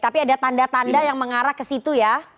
tapi ada tanda tanda yang mengarah ke situ ya